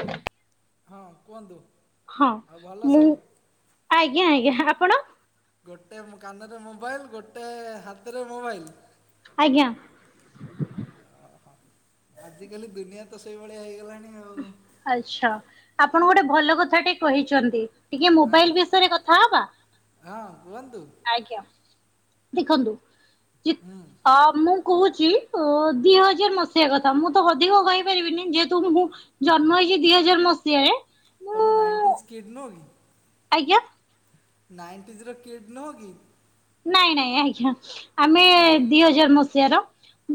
ହ ହଁ କୁହନ୍ତୁ। ହଁ ଆଉ ଭଲ ମୁଁ ସବୁ ଆଜ୍ଞା ଆଜ୍ଞା ଆପଣ? ଗୋଟେ ମୁ କାନରେ ମୋବାଇଲ୍ ଗୋଟେ ହାତରେ ମୋବାଇଲ୍। ଆଜ୍ଞା। ଅହ ଆଜିକାଲି ଦୁନିଆ ତ ସେଇ ଭଳିଆ ହେଇଗଲାଣି ଆଉ। ଆଚ୍ଛା ଆପଣ ଗୋଟେ ଭଲ କଥାଟେ କହିଛନ୍ତି ଟିକେ ହଁ ମୋବାଇଲ୍ ବିଷୟରେ କଥା ହବା? ହଁ କୁହନ୍ତୁ। ଆଜ୍ଞା ଦେଖନ୍ତୁ କି ହୁଁ ତ ମୁଁ କୋହୁଚି ଅ ଦି ହଜାର ମସିହା କଥା ମୁଁ ତ ଅଧିକ କହିପାରିବିନି ଯେହେତୁ ମୁଁ ଜନ୍ମ ହେଇଚି ଦି ହଜାର ମସିହାରେ। ମୁଁ ତମେ ନାଇଣ୍ଟିଜ୍ କିଡ଼୍ ନୁହଁ କି? ଆଜ୍ଞା? ନାଇଣ୍ଟିଜିର କିଡ଼୍ ନୁହଁ କି? ନାଇଁ ନାଇଁ ଆଜ୍ଞା ଆମେ ହଁ କୁହନ୍ତୁ ଦି ହଜାର ମସିହର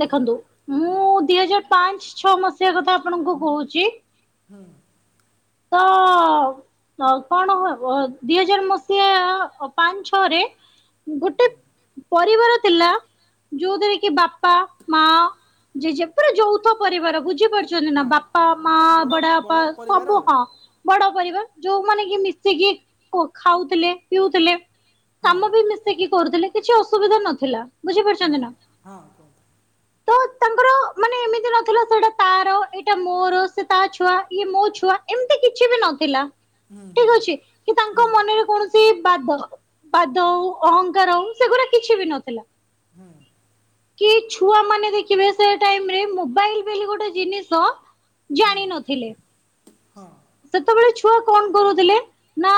ଦେଖନ୍ତୁ ମୁଁ ଦି ହଜାର ପାଞ୍ଚ ଛଅ ମସିହା କଥା ଆପଣଙ୍କୁ କହୁଚି। ହୁଁ। ତ ଅ କଣ ହ ଅ ଦି ହଜାର ମସିହା ଅ ପାଞ୍ଚ ଛଅରେ ଗୋଟେ ପରିବାର ଥିଲା। ଯୋଉଥିରେ କି ବାପା ମା ଯେ ଜେଜେ ପୁରା ଯୌଥ ପରିବାର ବୁଝିପାରୁ ଚନ୍ତି ନାଁ ହଁ ବାପା ହଁ ମା ମାନେ ବଡ଼ ବଡ଼ ବଡ଼ାପା ପରିବାର ସବୁ ଆଉ ବଡ଼ ପରିବାର ଯୋଉମାନେ କି ମିଶିକି କୋ ଖାଉଥୁଲେ ପିଉଥୁଲେ। ହଁ କାମ ବି ମିଶେଇକି କରୁଥୁଲେ କିଛି ଅସୁବିଧା ନଥିଲା, ହଁ ବୁଝିପାରୁଛନ୍ତି ନାଁ? କୁହନ୍ତୁ ହଁ ର ମାନେ ଏମିତି ନଥିଲା ସେଇଟା ତାର ଏଇଟା ମୋର ସେ ତା ଛୁଆ ଇଏ ମୋ ଛୁଆ। ଏମତି କିଛି ବି ନଥିଲା ଠିକ୍ ଅଛି କି ହୁଁ ତାଙ୍କ ମନରେ କୌଣ ସି ବାଦ ବାଦ ହଉ ଅହଙ୍କାର ହଉ ସେଗୁରା କିଛି ବି ନଥିଲା। ହୁଁ। କି ଛୁଆମାନେ ଦେଖିବେ ସେ ଟାଇମ୍ ରେ ମୋବାଇଲ ବେଲି ଗୋଟେ ଜିନିଷ ହୁଁ ହଁ। ସେତବେଳେ ଛୁଆ କଣ କରୁଥୁଲେ ନାଁ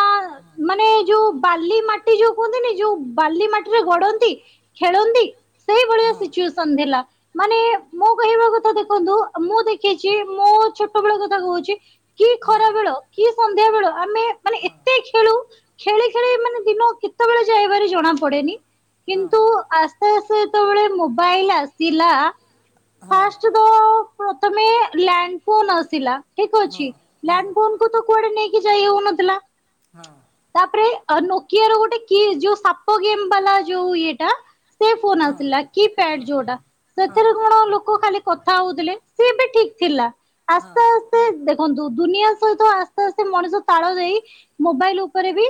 ମାନେ ଯୋଉ ବାଲି ମା ଟି ଯୋଉ କୁହନ୍ତିନି ଯୋଉ ବାଲି ମାଟିରେ ଗଡନ୍ତି ଖେଳନ୍ତି ସେଇ ଭ ହଁ। ଟିଉସନ ଧେଲା। ମାନେ ମୋ କହିବା କଥା ଦେଖନ୍ତୁ ମୁଁ ଦେଖିଊଛି ମୋ ଛୋଟ ବେଳ କଥା କହୁଚି କି ହଁ ଖରା ବେଳ କି ସନ୍ଧ୍ୟା ବେଳ ଆମେ ମା ହଁ। ଖେଳୁ ଖେଳି ଖେଳି ମାନେ ଦିନ କେତବେଳେ ଯାଏ ଭାରି ଜଣା ପଡେନି। ହଁ କିନ୍ତୁ ଆସ୍ତେ ଆସ୍ତେ ଯେତବେଳେ ମୋବାଇଲ ଆସିଲା ହଁ। ତୁ ତ ପ୍ରଥମେ ଲ୍ୟାଣ୍ଡ ଫୋନ୍ ଆସିଲା ଠିକ୍ ଅଛି। ହଁ ହଁ ଲ୍ୟାଣ୍ଡ ଫୋନ୍ କୁ ତ କୁଆଡ଼େ ନେଇକି ଯାଇ ହଉନଥିଲା। ହଁ। ତାପରେ ନୋକିଆର ଗୋଟେ କି ଯୋଉ ସାପ ଗେମ୍ ବାଲା ଯୋଉ ଇଏଟା ସେ ଫୋନ ହଁ ଆସିଲା କିପ୍ୟାଡ଼ ଯୋଉଟା ହଁ ସେଥିରେ କଣ ଲୋକ ଖାଲି କଥା ହଉଥିଲେ ସେ ବି ଠିକ୍ ଥିଲା ହଁ ଆସ୍ତେ ଆସ୍ତେ ଦେଖନ୍ତୁ ଦୁନିଆ ସହିତ ଆସ୍ତେ ଆସ୍ତେ ମଣିଷ ତାଳ ଦେଇ ମୋବାଇଲ ଉପରେ ବି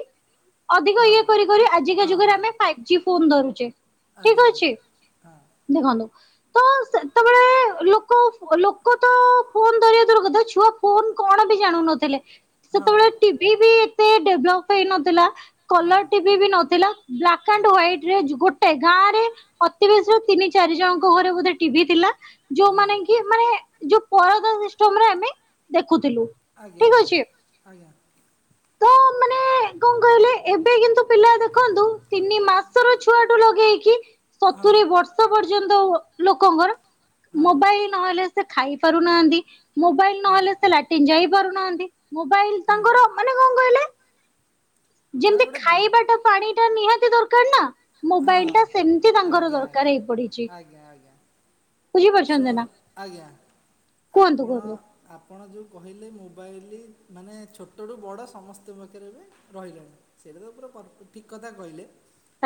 ଅଧିକ ହଁ ଇଏ କରି କରି ଆଜି କା ହଁ ଯୁଗରେ ହଁ ଆମେ ଫାଇଫ ଜି ଫୋନ ଧରୁଛେ। ଆଜ୍ଞା ଠିକ ଅଛି ଆଜ୍ଞା ହଁ। ଦେଖନ୍ତୁ ତ ସେ ହଁ [inaudible] ଲୋକ ଲୋକ ତ ଫୋନ ଧରିଆ ଦୂରର କଥା ଛୁଆ ଫୋନ କଣ ବି ଜାଣୁ ନ ଥିଲେ। ହଁ ସେତେବେଳେ ଟିଭି ବି ଏତେ ଡେଭଲପ ହେଇନଥିଲା। ହଁ କଲର ଟିଭି ବି ନଥିଲା ବ୍ଲାକ ଆଣ୍ଡ ହ୍ୱାଇଟ ଗୋଟେ ଗାଁ ରେ ଅତି ବେଶୀ ତିନି ଚାରି ଜଣଙ୍କ ଘରେ ବୋଧେ ଟିଭି ଥିଲା। ହଁ ଯୋଉମାନେ କି ମାନେ ଯୋଉ ପରଦା ସିଷ୍ଟମ୍ ରେ ଆମେ ଦେଖିଥିଲୁ। ଆଜ୍ଞା ଆଜ୍ଞା ଆଜ୍ଞା। ତ ମାନେ କଣ କହିଲେ ଏବେ କିନ୍ତୁ ପିଲା ଦେଖନ୍ତୁ ତିନି ମାସର ଛୁଆଠୁ ଲଗେଇକି- ହଁ ସତୁୁରୀ ବର୍ଷ ପର୍ଯ୍ୟନ୍ତ ଲୋକଙ୍କର ହଁ ମୋବାଇଲ ନହେଲେ ସେ ଖାଇ ପାରୁନାହାନ୍ତି ମୋବାଇଲ ହଁ ନହେଲେ ସେ ଲାଟିନ୍ ଯାଇ ପାରୁନାହାନ୍ତି। ମୋବାଇଲ ହୁଁ ତାଙ୍କର ମାନେ କଣ କହିଲେ? ମାନେ ଯେମିତି ଗୋଟେ ଖାଇବା ଟା ପାଣି ଟା ନିହାତି ଦରକାର ନା ହଁ ମୋବାଇଲ ଟା ସେମିତି ତାଙ୍କର ଆଜ୍ଞା ଆଜ୍ଞା ଦରକାର ହେଇ ପଡିଛି। ଆଜ୍ଞା ଆଜ୍ଞା ଶୁଣ ବୁଝିପାରୁଛନ୍ତି ନା ଆଜ୍ଞା କୁହନ୍ତୁ ଆପଣ କୁହନ୍ତୁ। ଆପଣ ଯେଉଁ କହିଲେ ମୋବାଇଲ ମାନେ ଛୋଟଠୁ ବଡ଼ ସମସ୍ତଙ୍କ ପାଖରେ ଏ ବି ରହିଲାଣି ସେଇଟା ତ ପୁରା ଠିକ କଥା କହିଲେ।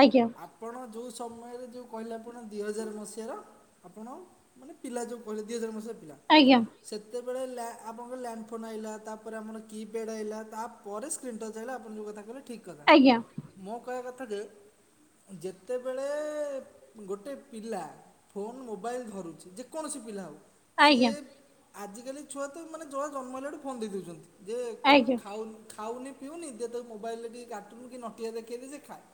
ଆଜ୍ଞା। ଆପଣ ଯେଉଁ ସମୟରେ ଯେଉଁ କହିଲେ ଆପଣ ଦୁଇ ହଜାର ମସିହାର ଆପଣ - ମାନେ ପିଲା ଯଉ କଲେ ଦି ହଜାର ମସିହା ପିଲା। ଆଜ୍ଞା। ସେତେବେଳେ ଆପଣଙ୍କର ଲ୍ୟାଣ୍ଡ ଫୋନ ଆଇଲା ତା ପରେ ଆମର କି ପ୍ୟାଡ ଆଇଲା ତା ପରେ ସ୍କ୍ରିନ୍ ଟଚ୍ ହେଲେ ଆପଣ ଯେଉଁ କଥା କହିଲେ ଠିକ୍ କଥା ଆଜ୍ଞା ମୋ କହିବା କଥା ଯେ ଯେତେବେଳେ ଗୋଟେ ପିଲା ଫୋନ୍ ମୋବାଇଲ ଧରୁଛି ଯେକୌଣସି ପିଲା ହେଉ ସିଏ ଆଜ୍ଞା ଆଜିକାଲି ଛୁଆ ତ ମାନେ ଜଳ ଜନ୍ମ ହେଲା ବେଳୁ ଫୋନ ଦେଇ ଦଉଛନ୍ତି। ଦେ କଣ ନା ଆଜ୍ଞା ଖାଉନି ଖାଉନି ପିଉନି ଦେ ତାକୁ ମୋବାଇଲ ରେ କାର୍ଟୁନ୍ କି ନଟିଆ ଦେଖେଇଲେ ସେ ଖାଏ।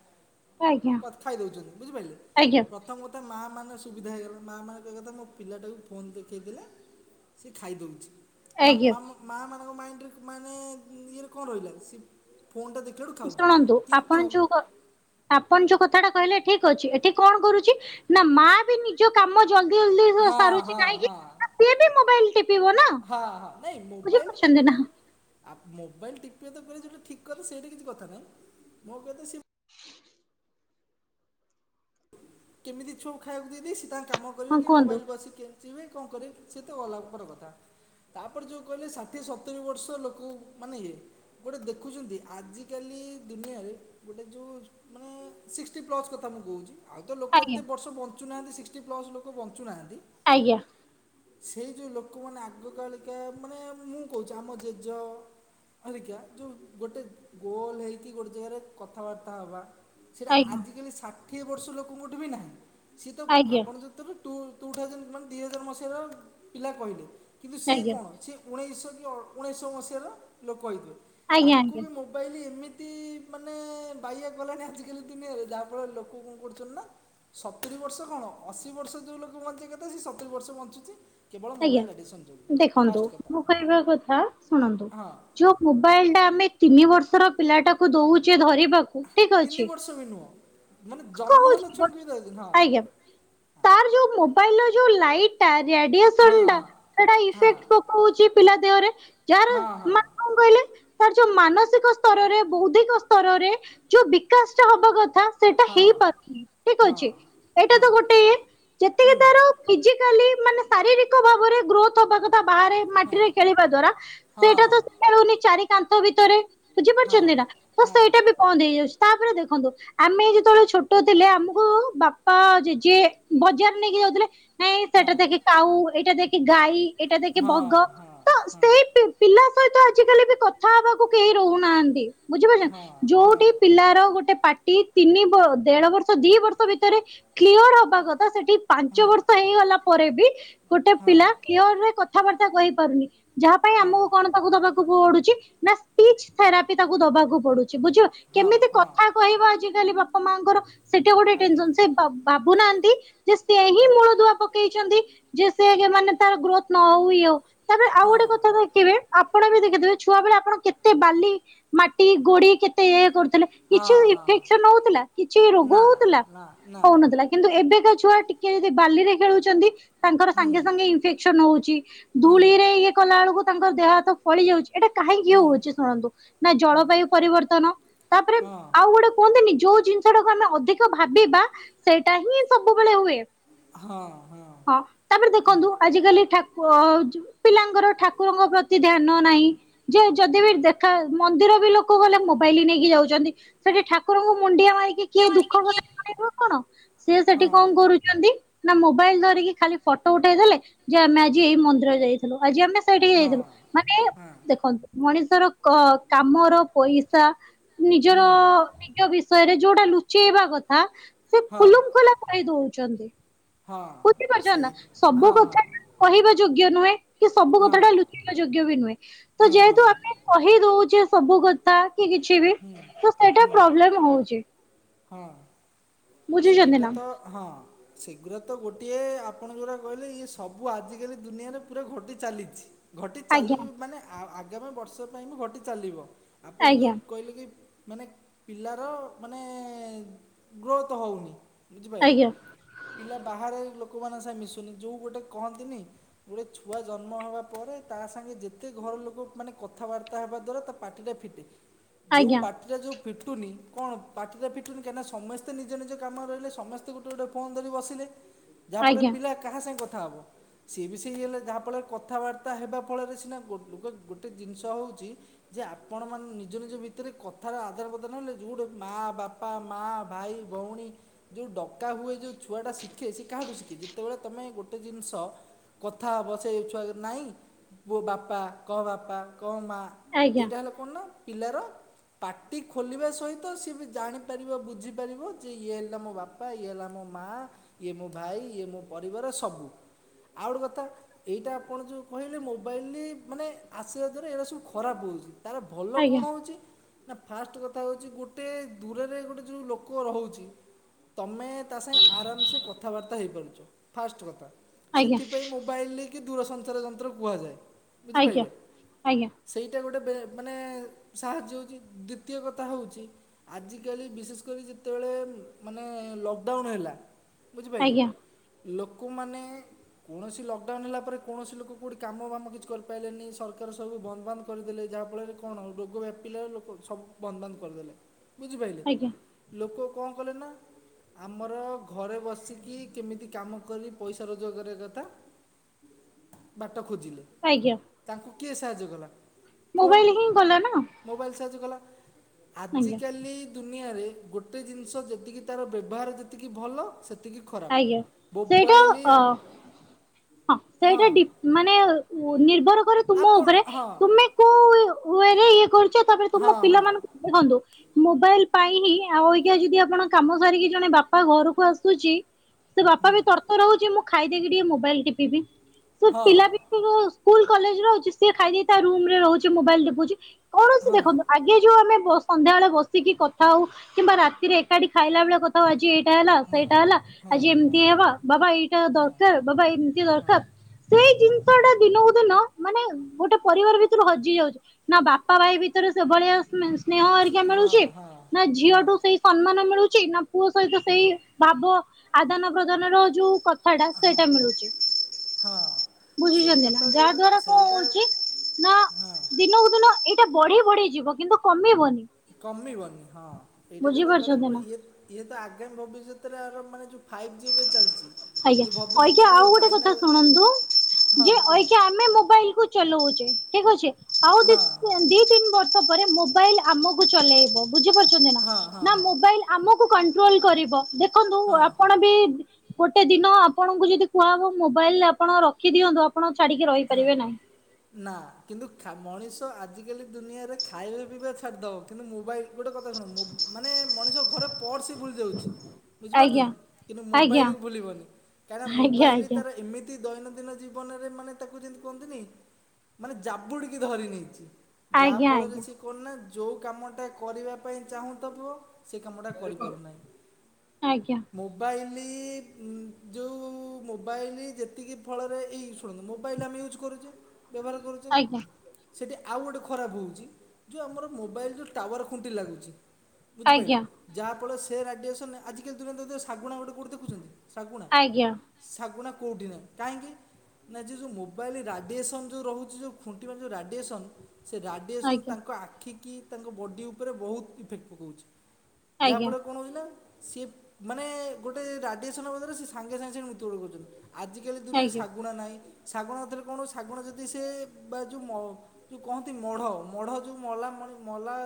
ଆଜ୍ଞା କଥା ଖାଇଦଉଛନ୍ତି ବୁଝିପାରିଲେ ଆଜ୍ଞା ପ୍ରଥମ କଥା ମା ମାନଙ୍କ ସୁବିଧା ହେଇଗଲା ମା ମାନଙ୍କ ପିଲାଟାକୁ ଫୋନ୍ ଦେଖେଇ ଦେଲେ ସିଏ ଖାଇ ଦଉଚି ମା ଆଜ୍ଞା ମା ମାନଙ୍କ ମାଇଣ୍ଡରେ ମାନେ ଇଏରେ କଣ ରହିଲା ସେ ଫୋନ ଟା ଦେଖି ଶୁଣନ୍ତୁ ଆପଣ ଯୋଉ ଆପଣ ଯୋଉ କଥାଟା କହିଲେ ଠିକ ଅଛି ଏଠି କଣ କରୁଛି ନା ମା ବି ନିଜ କାମ ଜଲ୍ଦୀ ଜଲ୍ଦୀ ହଁ ସାରୁଚି ହଁ କାହିଁକି ହଁ ସିଏ ବି ମୋବାଇଲ ଟିପିବ ନା ବୁଝି ପାରୁଛନ୍ତି ନା। ଆ ମୋବାଇଲ ଟିପି ତ ଯୋଉଟା ଠିକ କଥା ସେଇଟା କିଛି କଥା ନାହିଁ ମୋ କହିବା କଥା ହ [inaudible] କେମିତି ଛୁଆ ଙ୍କୁ ଖାଇବାକୁ ଦେଇଦେଇ ସିଏ ତାଙ୍କର କାମ କରିବେ ହଁ କି କୁହନ୍ତୁ ମୋବାଇଲ ବସିକି ଯିବେ କି କଣ କରିବେ ସେଇଟା ଅଲଗା ପ୍ରକାର କଥା। ତାପରେ ଯଉ କହିଲେ ଷାଠିଏ ସତୁୁରୀ ବର୍ଷ ଲୋକ ମାନେ ଇଏ ଗୋଟେ ଦେଖୁଛନ୍ତି ଆଜିକାଲି ଦୁନିଆରେ ଗୋଟେ ଯୋଉ ମାନେ ସିଷ୍ଟୀ ପ୍ଲସ୍ କଥା ମୁଁ କହୁଛି ଆଉ। ଲୋକ ଆଜ୍ଞା ଏତେ ବର୍ଷ ବଞ୍ଚୁନାହାଁନ୍ତି ସିକ୍ଟୀ ପ୍ଲସ୍ ଲୋକ ବଞ୍ଚୁନାହାନ୍ତି। ଆଜ୍ଞା। ସେଇ ଯେଉଁ ଲୋକମାନେ ଆଗକାଳିକା ମାନେ ମୁଁ କହୁଛି ଆମ ଜେଜ ହଁ ଦେଖିବା ଯୋଉ ଗୋଟେ ଗୋଲ ହେଇକି ଗୋଟେ ଜାଗାରେ କଥାବାର୍ତ୍ତା ହେବା। ସେଟା ଆଜ୍ଞା ଆଜିକାଲି ଷାଠିଏ ବର୍ଷ ଲୋକଙ୍କ ଠୀ ବି ନାହିଁ ସିଏ ତ ଆଜ୍ଞା ଆପଣ ଯଦି ତା ପରେ ତୁ ଟୁ ଥାଉଜେଣ୍ଡ ମାନେ ଦୁଇ ହଜାର ମସିହାର ପିଲା କହିଲେ କିନ୍ତୁ ସିଏ ଆଜ୍ଞା କଣ ସିଏ ଉଣେଇଶହ କି ଉଣେଇଶହ ମସିହାର ଲୋକ ହେଇଥିବେ ଆଜ୍ଞା ଆଜ୍ଞା ତାଙ୍କୁ ବି ମୁଁ ମୋବାଇଲ୍ ଏମିତି ମାନେ ବାଇଆ କଲାଣି ଆଜିକାଲି ଦୁନିଆରେ ଯାହା ଫଳରେ ଲୋକ କଣ କରୁ ନା ସତୁୁରୀ ବର୍ଷ କଣ ଅଶୀ ବର୍ଷ ଯୋଉ ଲୋକ ବଞ୍ଚିବା କଥା ସେ ସତୁରି ବର୍ଷ ବଞ୍ଚୁଛି। କେବଳ ଆଜ୍ଞା ମୋବାଇଲ୍ ଆଡ଼ିକ୍ସନ୍ ଯୋଗୁଁ ଦେଖନ୍ତୁ ଫାର୍ଷ୍ଟ କଥା ମୁଁ କହିବା କଥା ଶୁଣନ୍ତୁ। ହଁ ଯୋଉ ମୋବାଇଲ ଟା ଆମେ ତିନି ବର୍ଷର ପିଲା ଟାକୁ ଦଉଛେ ଧରି ଠିକ ତିନି ଅଛି ବର୍ଷ ବି ନୁହଁ ମାନେ ଜନ୍ମ ହେଲା କହୁଛି ଛୁଆଙ୍କୁ ବି ଦେଉଛନ୍ତି ଆଜ୍ଞା। ତାର ଯୋଉ ମୋବାଇଲ ର ଯୋଉ ଲାଇଟ୍ ରେଡିଅସ୍ ହଁ ଥଣ୍ଡା ସେଟା ହଁ ଇଫେକ୍ଟ ପକଉଛି ପିଲା ଦେହରେ ଯାହାର ହଁ ମା କଣ କହିଲେ ତାର ଯୋଉ ମାନସିକ ସ୍ତରରେ ବୌଦ୍ଧିକ ସ୍ତରରେ ଯୋଉ ବିକାଶ ଟା ହବା କଥା। ସେଇଟା ହଁ ହଁ ହେଇପାରୁନି ଠିକ ଅଛି ଏଇଟା ହଁ ହଁ ହଁ ହଁ ତ ଗୋଟେ ଯେତିକି ହୁଁ ତାର ଫଜିକାଲି ମାନେ ଶାରୀରୀକ ଭାବରେ ଗ୍ରୋଥ ହବା କଥା ବାହାରେ ହଁ ମାଟିରେ ଖେଳିବା ଦ୍ଵାରା ସେଇଟା ହଁ ତ ଖେଳୁନି ଚାରି କାନ୍ଥ ଭିତରେ ହଁ ହଁ ବୁଝିପାରୁଛନ୍ତି ନା ହଁ ତ ସେଇଟା ହଁ ବି ବନ୍ଦ ହେଇଯାଉଛି ତାପରେ ଦେଖନ୍ତୁ ଆମେ ଏ ଯେତେଳେ ଝୁ ଛୋଟ ଥିଲେ ଆମକୁ ବାପା ଜେଜେ ବଜାର ନେଇକି ଯାଉଥିଲେ ନାଇଁ ସେଟା ଦେଖ୍ କାଉ ଏଇଟା ଦେଖି ଗାଈ ଏଇଟା ଦେଖି ବଗ ହଁ ତ ସେଇ ପିଲା ସହିତ ଆଜିକାଲି ବି କ ଥା ହେବାକୁ କେହି ରହୁନାହାନ୍ତି ବୁଝିପାରୁଛ ହଁ ହଁ ହଁ ଯୋଉଠି ହଁ ପିଲାର ଗୋଟେ ପା ଟି ତିନି ବ ଦେଢ଼ ବର୍ଷ ଦି ବର୍ଷ ଭିତରେ କ୍ଲିୟର ହବା କଥା ସେଠି ପାଞ୍ଚ ବର୍ଷ ହେଇଗଲା ପରେ ବି ଗୋଟେ ପିଲା ହଁ କ୍ଲିଅରେ କଥାବାର୍ତ୍ତା କହି ପାରୁନି ଯାହା ପାଇଁ ହଁ ଆମକୁ କଣ ସବୁ ଦେବାକୁ ପଡ଼ୁଛି ନା ସ୍ପିଚ୍ ଥେରାପି ତାକୁ ଦବାକୁ ପଡ଼ୁଛି ବୁଝ ହଁ କେମିତି ହଁ କଥା କହିବା ଆଜିକାଲି ବାପା ମାଙ୍କର ସେଟେ ଗୋଟେ ଆଜ୍ଞା ଟେନସନ୍ ସେ ବା ବାବୁ ନାହାନ୍ତି ଯେ ସେ ହିଁ ହଁ ମୂଳ ଧୁଆ ପକେଇଛନ୍ତି। ଯେ ସେ ଯେ ମାନେ ତାର ଗ୍ରୋଥ ନ ହ ଆଉ ତାପରେ ଆଉ ହଁ ଗୋଟେ କଥା ଦେଖିବେ ଆପଣ ବି ଦେଖି ଥିବେ ଛୁଆବେଳେ ଆପଣ କେତେ ବାଲି ମାଟି ଗୋଡି଼ କେତେ ଇଏ କରୁଥିଲେ ହଁ କିଛି ହଁ ଇଫେକସନ୍ ହଉଥିଲା କିଛି ନା ରୋଗ ହଉଥିଲା। ନା ନା। ହଉନଥିଲା କିନ୍ତୁ ଏବେକା ଛୁଆ ଟିକେ ଯଦି ବାଲିରେ ଖେଳୁଛନ୍ତି। ତାଙ୍କର ହୁଁ ସାଙ୍ଗେ ସାଙ୍ଗେ ଇନଫେକ୍ସନ ହଉଛି ହୁଁ ଧୂଳି ରେ ଇଏ କଲା ବେଳକୁ ତାଙ୍କର ଦେହ ହାତ ଫଳି ଯାଉଛି। ଏଇଟା କାହିଁକି ହୁଁ ହଉଛି ଶୁଣନ୍ତୁ ନା ଜଳବାୟୁ ପରିବର୍ତ୍ତନ ତାପରେ ହଁ ଆଉ ଗୋଟେ କୁହନ୍ତିନି ଯୋଉ ଜିନିଷ ଟାକୁ ଆମେ ଅଧିକ ଭାବିବା ସେଇଟା ହିଁ ସବୁବେଳେ ହୁଏ। ହଁ ହଁ। ହଁ ତାପରେ ଦେଖନ୍ତୁ ଆଜିିକାଲି ଠା ପୁଅ ହଉଛି ପିଲାଙ୍କର ଠାକୁରଙ୍କ ପ୍ରତି ଧ୍ୟାନ ନାହିଁ। ଯେ ଯଦି ବି ଦେଖା ମନ୍ଦିର ଲୋକ ଗଲେ ମୋବାଇଲି ନେଇକି ଯାଉଛନ୍ତି ସେଠି ଠାକୁରଙ୍କୁ ମୁଣ୍ଡିଆ ମାରି କି କିଏ ମାରିକି ଦୁଃଖ କିଏ କଥା ଶୁଣିବ କଣ ସେ ସେଠି ହଁ କଣ କରୁଛନ୍ତି ନା ମୋବାଇଲ ଧରି ଆସିକି ଖାଲି ଫଟୋ ଉଠେଇ ଦେଲେ ଯେ ଆମେ ଆଜି ଏଇ ମନ୍ଦିର ଯାଇଥିଲୁ ଆଜି ଆମେ ସେଇଠିକି ହଁ ଯାଇଥିଲୁ ମାନେ ହଁ ଦେଖନ୍ତୁ ମଣିଷର କ କାମର ପଇସା ନିଜର ହୁଁ ନିଜ ବିଷୟରେ ଯୋଉଟା ଲୁଚେଇବା କଥା ହଁ। କହିଦଉଛନ୍ତି ହଁ ବୁଝିପାରୁଚନ୍ତିନା ସେଇ ସବୁ ହଁ ହଁ କଥାଟା କହିବା ଯୋଗ୍ୟ ନୁହେଁ କିସବୁ କଥାଟା ହଁ ଲୁଚେଇିବା ଯୋଗ୍ୟବି ନୁହେଁ ହଁ ହଁ ତଯେହେତୁ ଆମେ କହି ଦଉଛେ ସବୁ କଥା କିକିଛିବି ତସେଇଟା ହୁଁ ପ୍ରୋବ୍ଲେମ୍ ହଉଚି। ହଁ ସେଇଟାତ ହଁ। ସେଗୁରାତ ଗୋଟିଏ ଆପଣ ଯୋଉଟା କହିଲେ ଇଏ ସବୁ ଆଜିକାଲି ଦୁନିଆରେ ପୁରା ଘଟି ଚାଲିଚି। ଘଟି ଆଜ୍ଞା ଚାଲିବ ମାନେ ଆଗାମୀ ବର୍ଷ ପାଇଁବି ଘଟି ଚାଲିବ। ଆପଣ ଆଜ୍ଞା ଯେଉଁ କହିଲେକି ମାନେ ପିଲାର ମାନେ ଗ୍ରୋ ହଉନି ବୁଝିପାଇଲେ। ଆଜ୍ଞା ପିଲା ବାହାରେ ଲୋକମାନେ ସାଙ୍ଗେ ମିଶୁନି ଯେଉଁ ଗୋଟେ କହନ୍ତିନି ଗୋଟେ ଛୁଆ ଜନ୍ମ ହେବା ପରେ ତାସାଙ୍ଗେ ଯେତେ ଘର ଲୋକ ମାନେ କଥାବାର୍ତ୍ତା ହେବା ଦ୍ଵାରା ତାପାଟିଟା ଫିଟେ ଯୋଉ ଆଜ୍ଞା ପାଟିଟା ଯୋଉ ଫିଟୁନି କଣ ପାଟିଟା ଫିଟୁନି କାହିଁକିନା ସମସ୍ତେ ମତେ ନିଜ ନିଜ କାମରେ ରହିଲେ ସମସ୍ତେ ଗୋଟେ ଗୋଟେ ଫୋନ୍ ଧରି ବସିଲେ ଯାହାଫଳରେ ଆଜ୍ଞା ପିଲା କାହା ସାଙ୍ଗେ କଥା ହବ। ସିଏବି ସେଇ ହେଲେ ଯାହାଫଳରେ କଥାବାର୍ତ୍ତା ହେବା ଫଳରେ ସିନା ଗୋ ଗୋଟେ ଜିନିଷ ହେଉଚି ଯେ ଆପଣ ମାନେ ନିଜ ନିଜ ଭିତରେ କଥାର ଆଦାନ ପ୍ରଦାନ ହେଲେ ଯୋଉ ଗଟେ ମା ବାପା ମା ଭାଇ ଭଉଣୀ ଯୋଉ ଡକା ହୁଏ ଯୋଉ ଛୁଆଟା ଶିଖେ ସେ କାହାଠୁ ଶିଖେ ଯେତେବେଳେ ତମେ ଗୋଟେ ଜିନିଷ କଥା ବସେଇ ଛୁଆ ନାଇଁ ପୁଅ ବାପା କହ ବାପା କହ ମା ଆଜ୍ଞା ଏଇଟା ହେଲା କଣନା ପିଲାର ପାଟି ଖୋଲିବା ସହିତ ସିଏବି ଜାଣିପାରିବ ବୁଝି କରିବ ଯେଇଏ ହେଲା ମୋ ବାପା ଇଏ ହେଲା ମୋ ମାଆ ଇଏ ମୋ ଭାଇ ଇଏ ମୋ ପରିବାର ସବୁ ଆଉ ଗୋଟେ କଥା ଏଇଟା ଆପଣ ଯେଉଁ କହିଲେ ମୋବାଇଲ୍ ମାନେ ଆସିବା ଦ୍୍ୱାରା ଏଇରା ସବୁ ଖରାପ୍ ହେଉଚି। ତାର ଭଲ ଆଜ୍ଞା କଣ ହେଉଚି ନା ଫାଷ୍ଟ କଥା ହେଉଚି ଗୋଟେ ଦୂରରେ ଗୋଟେ ଯେଉଁ ଲୋ ୋକ ରହୁଚି ତମେ ତାସାଙ୍ଗେ ଆରାମସେ କଥାବାର୍ତ୍ତା ହେଇପାରୁଚ ଫାଷ୍ଟ କଥା ଆଜ୍ଞା ସେଥିପାଇଁ ମୋବାଇଲରେକି ଦୂରସଞ୍ଚାର ଯନ୍ତ୍ର କୁହାଯାଏ ଆଜ୍ଞା ବୁଝିପାରିଲେ। ଆଜ୍ଞା ସେଇଟା ଗୋଟେ ବେ ମାନେ ସାହାଯ୍ୟ ହୋଉଚି ଦ୍ଵିତୀୟ କଥା ହୋଉଚି ଆଜିକାଲି ବିଶେଷ କରି ଯେ ଯେତେବେଳେ ମାନେ ଲକଡାଉନ୍ ହେଲା ବୁଝିପାରିଲେ। ଆଜ୍ଞା ଲୋକମାନେ କୌଣସି ଲକଡାଉନ୍ ହେଲା ପରେ କୌଣସି ଲୋକ କୋଉଠି କାମ ବାମ କିଛି କରିପାରିଲେନି ସରକାର ସବୁ ବନ୍ଦ ବାନ୍ଦ କରିଦେଲେ ଯାହାଫଳରେ କଣ ରୋଗ ବ୍ୟାପିଲା ଲୋକ ସବୁ ବନ୍ଦବାନ୍ଦ କରିଦେଲେ ବୁଝିପାରିଲେ। ଆଜ୍ଞା ଲୋକ କଁ କଲେନା ଆମର ଘରେ ବସିକି କେମିତି କାମ କରି ପଇସା ରୋଜକାର କରିବା କଥା ବାଟ ଖୋଜିଲେ ଆଜ୍ଞା। ତାଙ୍କୁ କିଏ ସାହାଯ୍ୟ କଲା? ମୋବାଇଲ୍ ହିଁ କଲାନା। ମୋବାଇଲ ସାହାଯ୍ୟ କଲା ଆଜିକାଲି ଦୁନିଆରେ ଗୋ ଗୋଟେ ଜିନିଷ ଯେତିକି ତାର ବ୍ୟବହାର ଯେତିକି ଭଲ ସେ ଆଜ୍ଞା ସେଇଟା ଅ ଆପ- ହଁ ସେଇଟା ଡି ମାନେ ନିର୍ଭର କରେ ତୁମ ଆପଣ ଉପରେ ହଁ ତୁମେ ହୁଏରେ ଇଏ କରୁଚ ତାପରେ ତୁମ ହଁ ହଁ ପିଲାମାନ ଦେଖନ୍ତୁ ମୋବାଇଲ ପାଇଁ ହିଁ ଆଉ ଆଜ୍ଞା ଯଦି ଆପଣ କାମ ସାରିକି ଜଣେ ବାପା ଘରକୁ ଆସୁଛି। ସେ ବାପା ବି ତର୍ ତର୍ ରହୁଛି ମୁଁ ଖାଇଦେଇକି ଟିକେ ମୋବାଇଲ ଟିପି ବି ସେ ହଁ ପିଲା ବି ସ୍କୁଲ କଲେଜ ରହୁଛି ସେ ଖାଇଦେଇ ତା ରୁମ ରେ ରହୁଛି ମୋବାଇଲ ଟିପୁଛି କୌଣସି ହଁ ଦେଖନ୍ତୁ ଇଏ ଯୋଉ ଆମେ ସନ୍ଧ୍ୟାବେଳେ ବସିକି କଥା ହଉ କିମ୍ବା ରାତିରେ। ଏକାଠି ଖାଇଲା ବେଳେ କଥାହଉ ଆଜି ଏଇଟା ହେଲା ହଁ ସେଇଟା ହେଲା। ହଁ ହଁ ଆଜି ଏମିତି ହବା ବାବା ଏଇଟା ଦରକାର ବାବା ଏମିତି ହଁ ହଁ ଦରକାର। ସେଇ ହଁ ଜିନିଷ ଟା ଦିନକୁ ଦିନ ମାନେ ଗୋଟେ ପରିବାର ଭିତରୁ ହଜି ଯାଉଛି। ନା ବାପା ଭାଇ ବି ସେଭଳିଆ ସ୍ନେହ ଆରିକା ସ- ହଁ ମିଳୁଛି ହଁ ନା ହଁ ଝିଅଠୁ ସେଇ ସମ୍ମାନ ମିଳୁଛି ନା ପୁଅ ସହିତ ସେଇ ଭାବ ଆଦାନ ପ୍ରଦାନ ର ଯୋଉ କଥାଟା ହଁ ସେଇଟା ମିଳୁଛି। ହଁ ବୁଝିଛନ୍ତି ସେଇଟା ତ ନା ଯାହା ଯେଉଁଟା ଦ୍ଵାରା କଣ ସେଇଟା ହଉଛି? ନା ହଁ ଦିନକୁ ଦିନ ଏଇଟା ବଢି ବଢି ଯିବ କିନ୍ତୁ କମିବନି। କମିବନି ହଁ ଏଇଟା ଯୋଉଟା କହିଲେ ବୁଝିପାରୁଛନ୍ତି ପୁରା ନା ଇଏ ଇଏ ତ ଆଗାମୀ ଭବିଷ୍ୟତରେ ଆର ମାନେ ଯେଉଁ ଫାଇଭ୍ ଜି ବି ଚାଲିଛି। ଆଜ୍ଞା ଇଏ ହଜ୍ଞେ ଭବିଷ୍ୟତରେ ଆଉ ଯେଉଁ ଗୋଟେ ଚାଇନା କଥା ଶୁଣନ୍ତୁ। ହଁ ଯେ କୁହନ୍ତୁ ଆମେ ମୋବାଇଲ କୁ ଚଲଉଛେ ଠିକ ଅଛେ ଆଉ ଦି ହଁ ଦି ତିନି ବର୍ଷ ମୋବାଇଲ ଆମକୁ ଚଲେଇବ ବୁଝିପାରୁଛନ୍ତି ନା ହଁ ହଁ ନା ହଁ ମୋବାଇଲ ଆମକୁ କଣ୍ଟ୍ରୋଲ କରିବ ଦେଖନ୍ତୁ ହଁ ଆପଣ ବି ଗୋଟେ ଦିନ ଆପଣଙ୍କୁ ଯଦି କୁହାହବ ମୋବାଇଲ ଆପଣ ରଖିଦିଅନ୍ତୁ ଆପଣ ଛାଡିକି ହଁ ରହିପାରିବେ ନାହିଁ। ନା କିନ୍ତୁ ମଣିଷ ଆଜିକାଲି ଦୁନିଆରେ ଖାଇବା ପିଇବା ଛାଡ଼ିଦବ କିନ୍ତୁ ମୋବାଇଲ୍ ଗୋଟେ କଥା ଶୁଣ ମାନେ ମଣିଷ ଘରେ ପସ୍ ବି ଭୁଲି ଯାଉଛି। ଆଜ୍ଞା ବୁଝିପାରୁଛନ୍ତି କିନ୍ତୁ ଆଜ୍ଞା ମୋବାଇଲ ଭୁଲିବନି କାହିଁକି ମୋବାଇଲ୍ ଆଜ୍ଞା ତାର ଏମିତି ଦୈନନ୍ଦିନ ଜୀବନରେ ମାନେ ତାକୁ ଜେନ୍ତି କୁହନ୍ତିନି ମାନେ ଜାବୁଡ଼ିକି ଧରିନେଇଛି ଯାହା ଆଜ୍ଞା ଫଳରେ ସି କଣ ନା ଯୋଉ କାମଟା କରିବା ପାଇଁ ଚାହୁଁ ଥିବ ସେ କାମଟା କରିପାରୁନାହିଁ ଆଜ୍ଞା ଆଜ୍ଞା ମୁଁ ବାଇଲି ଯୋଉ ମୋବାଇଲି ଯେତିକି ଫଳରେ ଏଇ ଶୁଣନ୍ତୁ ମୁଁ ବାଇଲ୍ ଆମେ ୟୁଜ୍ କରୁଛି ବ୍ୟବହାର କରୁଛେ। ଆଜ୍ଞା ସେଇଠି ଆଉ ଗୋଟେ ଖରାପ ହଉଛି ଯୋଉ ଆମର ମୋବାଇଲ ଯୋଉ ଟାୱାର ଖୁଣ୍ଟି ଲାଗୁଛି। ବୁଝିପାଇଲେ ଆଜ୍ଞା ଆଜ୍ଞା ଆଜ୍ଞା ଯାହା ଫଳରେ ସେ ରାଡିଏସନ ରେ ଆଜିକା ଦୂର ଦତ ଶାଗୁଣା ଗୋଟେ କୋଉ ଦେଖୁଛନ୍ତି ଶାଗୁଣା ଆଜ୍ଞା ଶାଗୁଣା କୋଉଠି ନାହିଁ କାହିଁକି ନା ଯି ଯୋଉ ମୋବାଇଲ ରାଡିଏସନ ଯୋଉ ରହୁଛି ଯୋଉ ଖୁଣ୍ଟି ପାଖରେ ଯୋଉ ରାଡିଏସନ ସେ ରାଡ଼ିଏସନ୍ ଆଜ୍ଞା ତାଙ୍କ ଆଖି କି ତାଙ୍କ ବଡ଼ି ଉପରେ ବହୁତ ଇଫେକ୍ଟ ପକଉଛି। ଯାହାଫଳ ଆଜ୍ଞା କଣ ହଉଛି ନା ସିଏ ମାନେ ଗୋଟେ ରାଡ଼ିଏସନ୍ ବଦରେ ସେ ସାଙ୍ଗେ ସାଙ୍ଗେ ସେଠି ମୃତ୍ୟୁ ବରଣ କରୁଛନ୍ତି। ଆଜିକାଲି ଦୁନିଆରେ ଆଜ୍ଞା। ଶାଗୁଣା ନାହିଁ ଶାଗୁଣା ନ ଥିଲେ କଣ ଶାଗୁଣା ଯଦି ସେ ବା ଯୋଉ ମ ଯୋଉ କହନ୍ତି ମଢ ମଢ ଯୋଉ ମଲା ମଣି-ମଲା